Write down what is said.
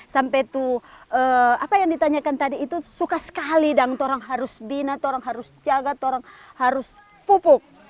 sampai tuh apa yang ditanyakan tadi itu suka sekali dan orang harus binat orang harus jaga orang harus pupuk